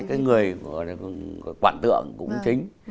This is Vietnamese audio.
cái người quản tượng cũng chính